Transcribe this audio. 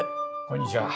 こんにちは。